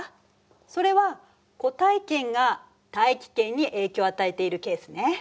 それは固体圏が大気圏に影響を与えているケースね。